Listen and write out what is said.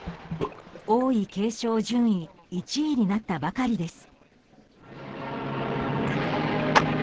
王位継承順位１位になったばかりです。